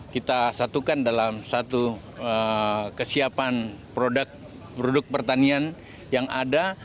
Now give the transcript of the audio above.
kita satukan dalam satu kesiapan produk pertanian yang ada